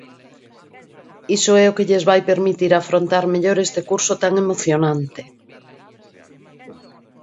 Iso é o que lles vai permitir afrontar mellor este curso tan emocionante.